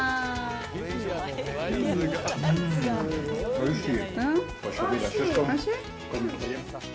おいしい。